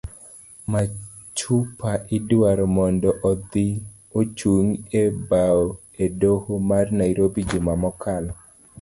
Machupa idwaro mondo odhi ochung' e bao e doho ma nairobi juma mokalo